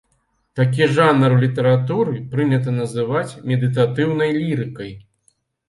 Такі жанр ў літаратуры прынята называць медытатыўнай лірыкай.